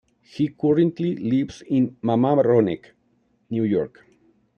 He currently lives in Mamaroneck, New York.